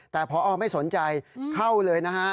แต่พอไม่สนใจเข้าเลยนะฮะ